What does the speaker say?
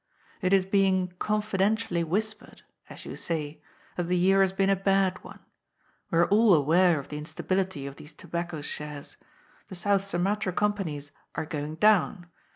It is being ' confidentially whispered,' as you say, that the year has been a bad one. We are all aware of the instability of these tobacco shares. The South Sumatra Company's are going down.